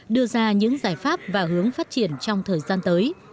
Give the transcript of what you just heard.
đưa ra những giải pháp và hướng phát triển trong thời gian tới